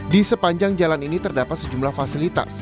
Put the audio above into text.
di sepanjang jalan ini terdapat sejumlah fasilitas